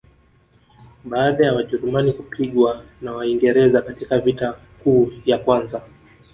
baada ya wajerumani kupigwa na waingereza katika vita kuu ya kwanza